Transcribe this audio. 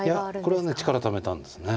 これはね力ためたんですね。